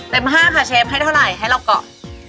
เต็ม๕ค่ะเชฟให้เท่าไรให้เรากรอบ